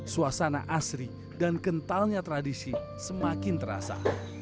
suasana asri dan kentalnya tradisi semakin terasa